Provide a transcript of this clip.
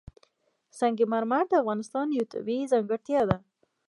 سنگ مرمر د افغانستان یوه طبیعي ځانګړتیا ده.